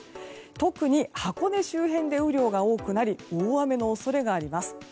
特に箱根周辺で雨量が多くなり大雨の恐れがあります。